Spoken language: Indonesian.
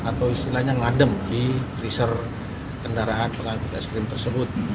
atau istilahnya ngadem di tracer kendaraan pengangkut es krim tersebut